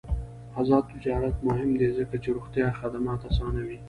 آزاد تجارت مهم دی ځکه چې روغتیا خدمات اسانوي.